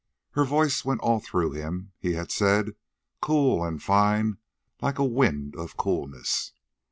Her voice went all through him, he had said, cool and fine, like a wind of coolness.